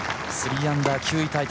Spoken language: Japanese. ３アンダー、９位タイ。